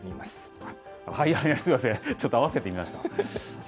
すみません、ちょっと合わせてみました。